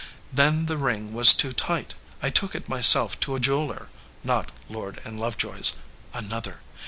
Then the ring was too tight. I took it myself to a jeweler not Lord & Love joy s another.